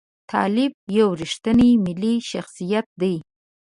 طالب یو ریښتونی ملي شخصیت دی.